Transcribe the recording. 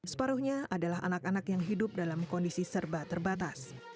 separuhnya adalah anak anak yang hidup dalam kondisi serba terbatas